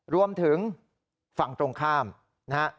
รวมถึงฝั่งตรงข้ามนะฮะ